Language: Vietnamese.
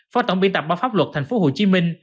phó tổng biện tập báo pháp luật thành phố hồ chí minh